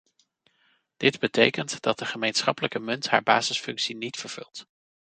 Dit betekent dat de gemeenschappelijke munt haar basisfunctie niet vervult.